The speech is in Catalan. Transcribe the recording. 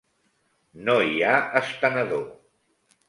No hi ha estenedor.